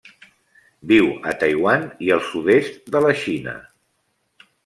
Viu a Taiwan i el sud-est de la Xina.